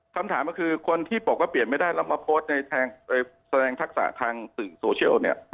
คำถามก็คือคนที่บอกว่าเปลี่ยนไม่ได้แล้วมาโพสต์ในแสดงทักษะทางสื่อโซเชียลเนี่ย